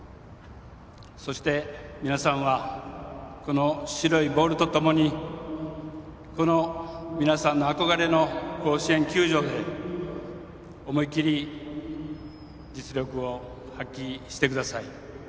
そして、皆さんはこの白いボールと共にこの皆さんの憧れの甲子園球場で思い切り実力を発揮してください。